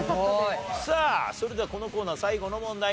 さあそれではこのコーナー最後の問題になります。